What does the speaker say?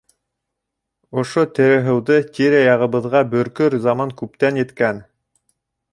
Ошо тереһыуҙы тирә-яғыбыҙға бөркөр заман күптән еткән.